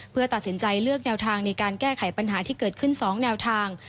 เพื่อตัดสินใจเลือกแนวทางในการแก้ไขปัญหาที่เกิดขึ้น๒แนวทาง